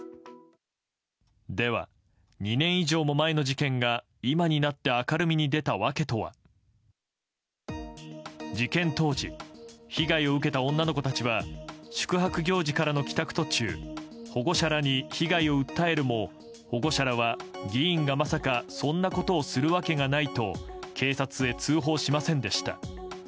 では、２年以上も前の事件が今になって明るみに出た訳とは。事件当時、被害を受けた女の子たちは宿泊行事からの帰宅途中保護者らに被害を訴えるも保護者らは、議員がまさかそんなことをするわけがないと警察へ通報しませんでした。